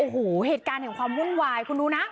โอ้โหเหตุการณ์แห่งความวุ่นวายคุณดูนะ